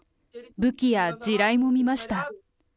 武器や地雷も見ました。